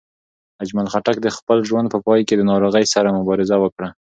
اجمل خټک د خپل ژوند په پای کې د ناروغۍ سره مبارزه وکړه.